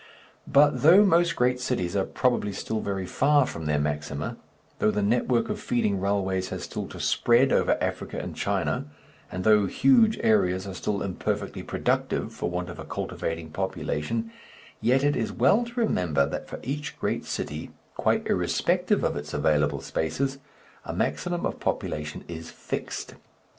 But though most great cities are probably still very far from their maxima, though the network of feeding railways has still to spread over Africa and China, and though huge areas are still imperfectly productive for want of a cultivating population, yet it is well to remember that for each great city, quite irrespective of its available spaces, a maximum of population is fixed.